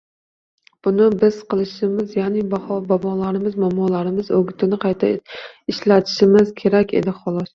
Buni biz qilishimiz, ya’ni bobolarimiz, momolarimiz o‘gitini qayta ishlashimiz kerak edi, xolos